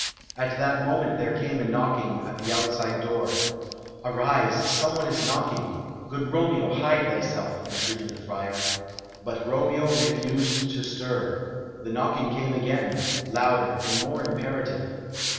At that moment there came a knocking at the outside door. "Arise; someone is knocking. Good Romeo hide thyself," entreated the Friar. But Romeo refused to stir. The knocking came again, louder and more imperative.